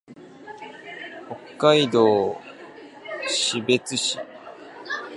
北海道士別市